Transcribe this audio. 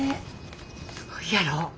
すごいやろ？